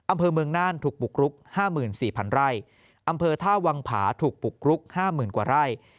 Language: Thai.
อำเภอเมืองน่านถูกปลุกลุก๕๔๐๐๐ไร่อำเภอท่าวังผาถูกปลุกลุก๕๐๐๐๐กว่าไร่